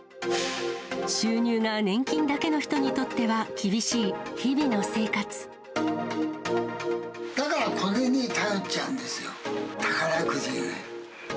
収入が年金だけの人にとってだからこれに頼っちゃうんですよ、宝くじ。